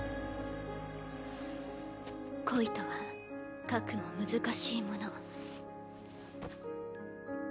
恋とはかくも難しいもの。